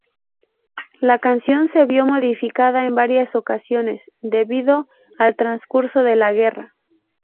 La canción se vio modificada en varias ocasiones, debido al transcurso de la guerra.